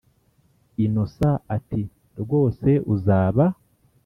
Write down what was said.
innocent ati”rwose uzaba